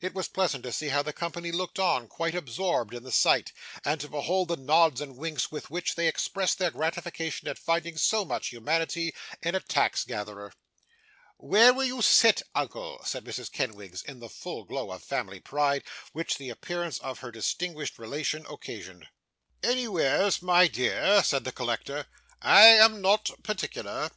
It was pleasant to see how the company looked on, quite absorbed in the sight, and to behold the nods and winks with which they expressed their gratification at finding so much humanity in a tax gatherer. 'Where will you sit, uncle?' said Mrs. Kenwigs, in the full glow of family pride, which the appearance of her distinguished relation occasioned. 'Anywheres, my dear,' said the collector, 'I am not particular.